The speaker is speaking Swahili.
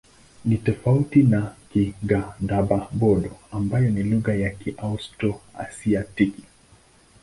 Ni tofauti na Kigadaba-Bodo ambayo ni lugha ya Kiaustro-Asiatiki.